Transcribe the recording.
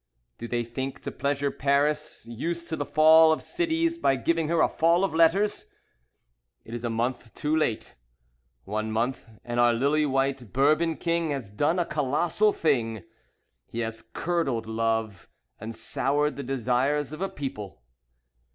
Do they think To pleasure Paris, used to the fall of cities, By giving her a fall of letters! It is a month too late. One month, and our lily white Bourbon king Has done a colossal thing; He has curdled love, And soured the desires of a people.